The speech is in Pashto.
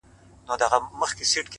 د زده کړې تنده پرمختګ چټکوي،